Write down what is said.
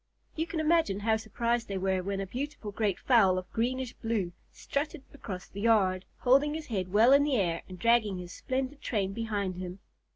You can imagine how surprised they were when a beautiful great fowl of greenish blue strutted across the yard, holding his head well in the air and dragging his splendid train behind him.